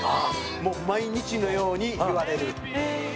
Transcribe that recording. もう毎日のように言われる。